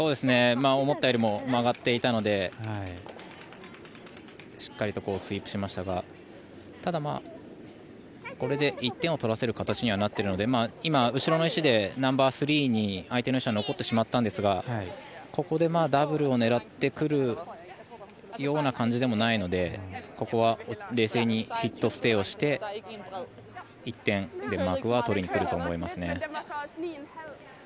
思ったよりも曲がっていたのでしっかりとスイープしましたがただ、これで１点を取らせる形にはなっているので今、後ろの石でナンバースリーに相手の石が残ってしまったんですがここでダブルを狙ってくるような感じでもないのでここは冷静にヒットステイをして１点、デンマークは取りに来ると思いますね。